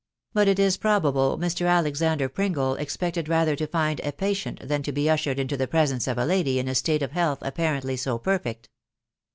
but it is probable Mr. Alexander Pringle expected rather to find a patient than to be ushered into the presence of a lady in a state of health apparently to perfect.